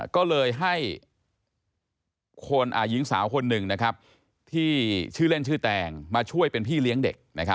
ก็เลยให้หญิงสาวคนหนึ่งที่ชื่อเล่นชื่อแตงมาช่วยเป็นพี่เลี้ยงเด็ก